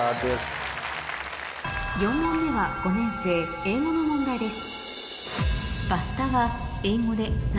４問目は５年生英語の問題です